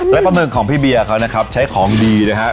และประเมินของพี่เบียร์เขานะครับใช้ของดีนะครับ